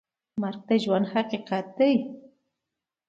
مرګ د ژوند حقیقت دی